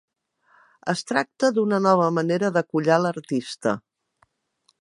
Es tracta d"una nova manera d"acollar l"artista.